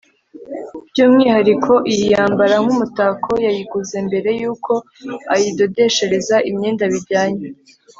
by’umwihariko iyi yambara nk’umutako yayiguze mbere y’uko ayidodeshereza imyenda bijyanye